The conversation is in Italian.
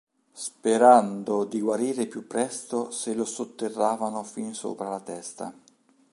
Sperando di guarire più presto se lo sotterravano fin sopra la testa.